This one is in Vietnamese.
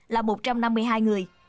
là một trăm năm mươi hai người